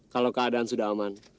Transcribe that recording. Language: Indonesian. kalau keadaan sudah aman